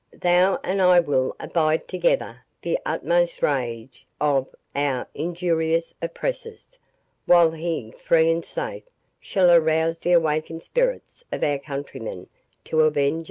Thou and I will abide together the utmost rage of our injurious oppressors, while he, free and safe, shall arouse the awakened spirits of our countrymen to avenge us."